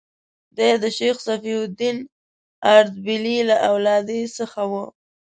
دی د شیخ صفي الدین اردبیلي له اولادې څخه و.